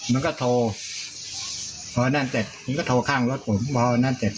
มันก็โทรพอนั่นเสร็จมันก็โทรข้างรถผมพอนั่นเสร็จ